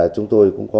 chúng tôi cũng có